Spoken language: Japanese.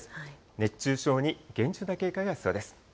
熱中症に厳重な警戒が必要です。